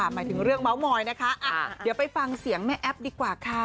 หมายถึงเรื่องเมาส์มอยนะคะเดี๋ยวไปฟังเสียงแม่แอ๊บดีกว่าค่ะ